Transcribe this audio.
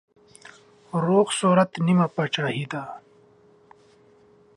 روغ صورت نيمه پاچاهي ده.